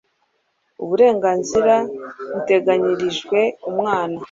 uburenganzira buteganyirijwe umwana